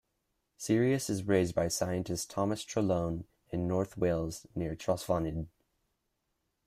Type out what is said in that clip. Sirius is raised by scientist Thomas Trelone in North Wales, near Trawsfynydd.